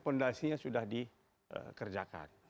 fondasinya sudah dikerjakan